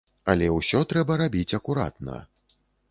Але ўсё трэба рабіць акуратна.